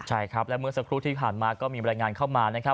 ใช่ครับและเมื่อสักครู่ที่ผ่านมาก็มีบรรยายงานเข้ามานะครับ